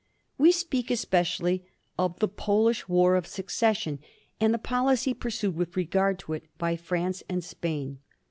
We speak especially of the Polish war of succession and the policy pursued with regard to it by France and Spain.